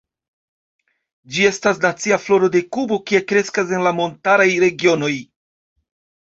Ĝi estas nacia floro de Kubo, kie kreskas en la montaraj regionoj.